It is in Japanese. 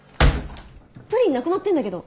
プリンなくなってんだけど！